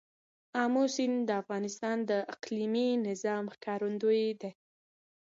آمو سیند د افغانستان د اقلیمي نظام ښکارندوی دی.